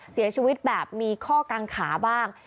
เสียชีวิตแบบมีข้อกังขาบ้าง